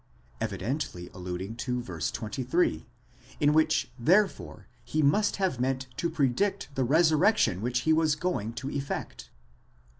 evidently alluding to v. 23, in which therefore he must have meant to predict the resurrection which he was going to effect.